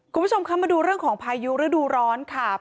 คุณผู้ชมคะมาดูเรื่องของพายุฤดูร้อนค่ะ